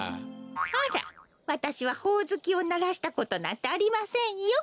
あらわたしはほおずきをならしたことなんてありませんよ。